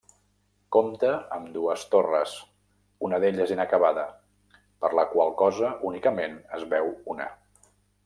Compta amb dues torres, una d'elles inacabada, per la qual cosa únicament es veu una.